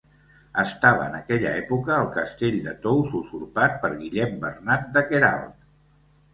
Estava en aquella època el Castell de Tous usurpat per Guillem Bernat de Queralt.